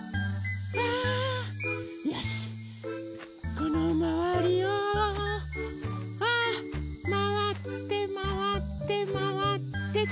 このまわりをまわってまわってまわってと。